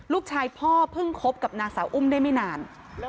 ลูกชายพ่อเพิ่งคบกับนางสาวอุ้มได้ไม่นาน